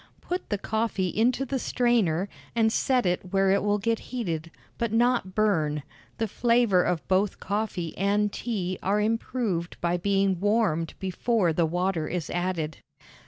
Put the coffee into the strainer, and set it where it will get heated, but not burn (the flavor of both coffee and tea are improved by being warmed before the water is added).